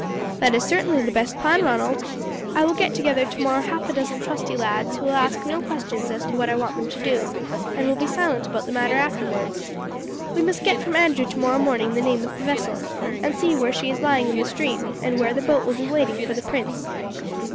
"That is certainly the best plan, Ronald. I will get together tomorrow half a dozen trusty lads who will ask no questions as to what I want them to do, and will be silent about the matter afterwards. We must get from Andrew tomorrow morning the name of the vessel, and see where she is lying in the stream, and where the boat will be waiting for the prince."